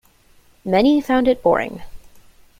Many found it boring.